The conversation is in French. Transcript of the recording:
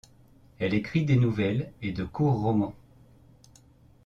Elle écrit des nouvelles et de courts romans.